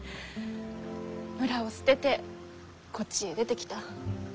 村を捨ててこっちへ出てきた。